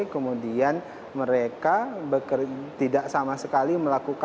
kemudian mereka tidak sama sekali melakukan